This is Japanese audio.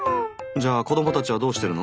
じゃあ子どもたちはどうしてるの？